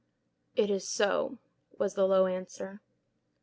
"It is so," was the low answer.